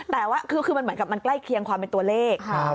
แต่ว่าคือมันเหมือนกับมันใกล้เคียงความเป็นตัวเลข